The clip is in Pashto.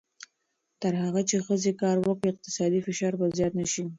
تر هغه چې ښځې کار وکړي، اقتصادي فشار به زیات نه شي.